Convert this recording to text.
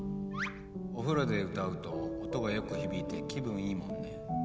お風呂で歌うと音がよく響いて気分いいもんね。